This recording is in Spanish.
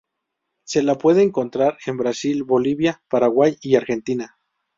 Se la puede encontrar en Brasil, Bolivia, Paraguay y Argentina.